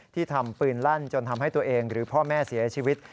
ทำปืนลั่นจนทำให้ตัวเองหรือพ่อแม่เสียชีวิต